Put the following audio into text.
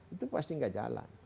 itu pasti nggak jalan